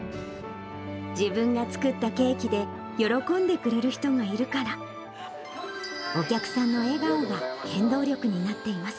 自分が作ったケーキで、喜んでくれる人がいるから、お客さんの笑顔が原動力になっています。